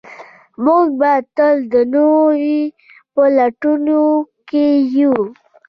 موږ به تل د نوي په لټولو کې یو.